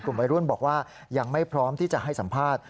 วัยรุ่นบอกว่ายังไม่พร้อมที่จะให้สัมภาษณ์